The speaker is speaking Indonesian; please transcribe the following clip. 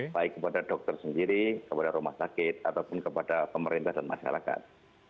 baik kepada dokter sendiri kepada rumah sakit ataupun kepada pemerintah dan masyarakat